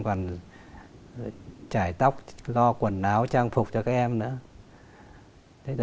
còn chảy tóc lo quần áo trang phục cho các em nữa